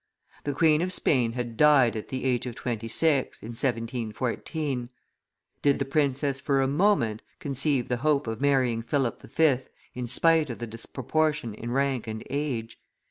The Queen of Spain had died at the age of twenty six, in 1714; did the princess for a moment conceive the hope of marrying Philip V. in spite of the disproportion in rank and age?